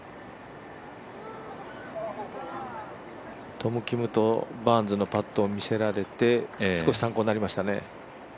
トム・キムとバーンズのパットを見せられて少し参考になりましたね。